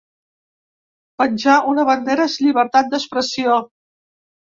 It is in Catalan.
Penjar una bandera és llibertat d'expressió!